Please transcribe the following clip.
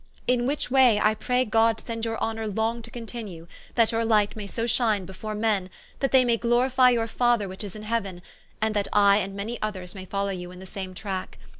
In which way, I pray God send your Honour long to continue, that your light may so shine before men, that they may glorifie your father which is in Heauen: and that I and many others may follow you in the same tracke.